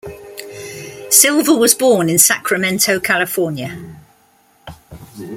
Silva was born in Sacramento, California.